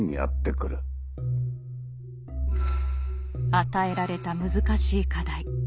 与えられた難しい課題。